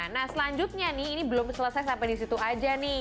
nah selanjutnya nih ini belum selesai sampai di situ aja nih